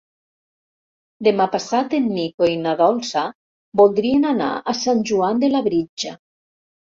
Demà passat en Nico i na Dolça voldrien anar a Sant Joan de Labritja.